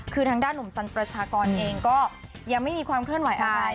คือทางด้านหนุ่มสันประชากรเองก็ยังไม่มีความเคลื่อนไหวอะไร